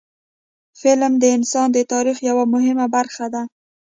فلم د انسان د تاریخ یوه مهمه برخه ده